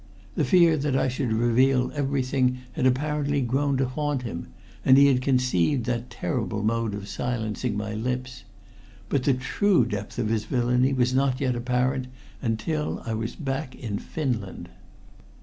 The fear that I should reveal everything had apparently grown to haunt him, and he had conceived that terrible mode of silencing my lips. But the true depth of his villainy was not yet apparent until I was back in Finland.